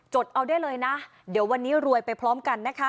ดเอาได้เลยนะเดี๋ยววันนี้รวยไปพร้อมกันนะคะ